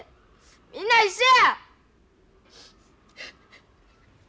みんな一緒や！